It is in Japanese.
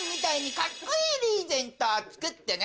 カッコいいリーゼントを作ってね。